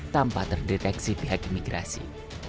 tanpa terdeteksi pihak imigrasi